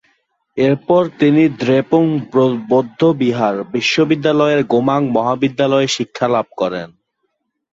এরপর তিনি দ্রেপুং বৌদ্ধবিহার বিশ্ববিদ্যালয়ের গোমাং মহাবিদ্যালয়ে শিক্ষালাভ করেন।